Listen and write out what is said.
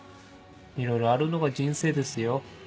いろいろあるのが人生ですよ。